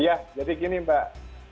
iya jadi gini mbak